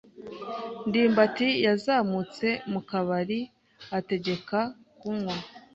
ndimbati yazamutse mu kabari ategeka kunywa.